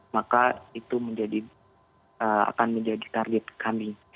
maka itu akan menjadi target kami